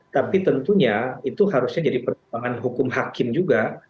tapi tentunya itu harusnya jadi pertimbangan hukum hakim juga